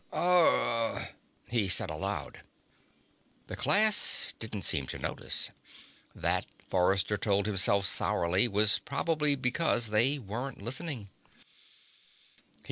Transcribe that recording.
"Urg ..." he said aloud. The class didn't seem to notice. That, Forrester told himself sourly, was probably because they weren't listening.